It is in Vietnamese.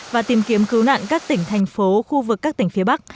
và tìm kiếm cứu nạn các tỉnh thành phố khu vực các tỉnh phía bắc